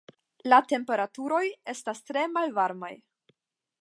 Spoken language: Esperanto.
La temperaturoj estas tre malvarmaj.